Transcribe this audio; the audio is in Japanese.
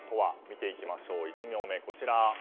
見ていきましょう、１行目。